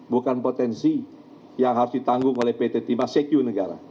bukan potensi yang harus ditanggung oleh pt timah secu negara